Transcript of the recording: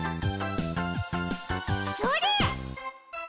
それ！